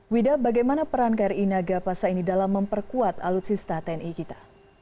wida bagaimana perang kri naga pasa ini dalam memperkuat alutsista tni kita